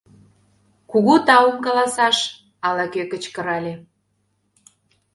— Кугу таум каласаш! — ала-кӧ кычкырале.